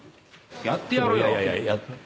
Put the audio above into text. やってやるよ！